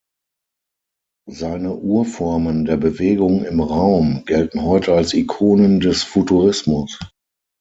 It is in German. Seine "Urformen der Bewegung im Raum" gelten heute als Ikonen des Futurismus.